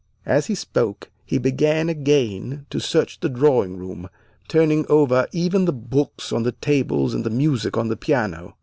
As he spoke he began again to search the drawing room, turning over even the books on the tables and the music on the piano.